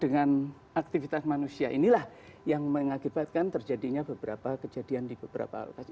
dengan aktivitas manusia inilah yang mengakibatkan terjadinya beberapa kejadian di beberapa lokasi